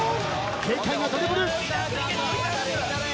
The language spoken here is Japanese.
軽快なドリブル。